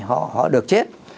họ được chết